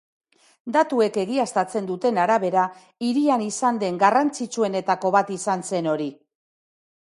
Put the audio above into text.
Datuek egiaztatzen duten arabera, hirian izan den garrantzitsuenetako bat izan zen hori.